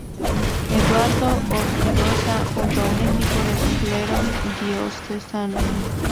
Eduardo Ortigoza junto a un equipo del clero diocesano.